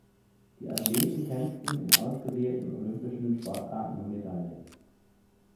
Die Athleten kämpfen in ausgewählten olympischen Sportarten um Medaillen.